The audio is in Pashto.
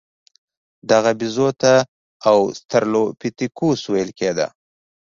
دغه بیزو ته اوسترالوپیتکوس ویل کېده.